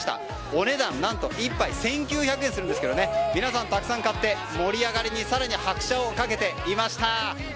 お値段１杯１９００円するんですが皆さんたくさん買って盛り上がりにさらに拍車をかけていました。